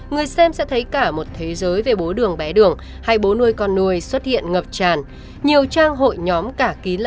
người xem sẽ thấy cả một thế giới